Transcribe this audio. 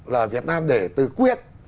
là việt nam để từ quyết